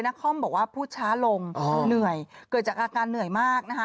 คอมบอกว่าพูดช้าลงเหนื่อยเกิดจากอาการเหนื่อยมากนะคะ